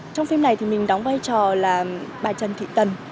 trong phim này thì mình đóng vai trò là bà trần thị tần